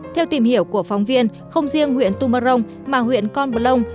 theo tìm hiểu của phóng viên không riêng huyện tumorong mà huyện con bờ lông